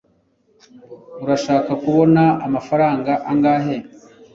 urashaka kubona amafaranga angahe